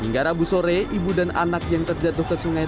hingga rabu sore ibu dan anak yang terjatuh ke sungai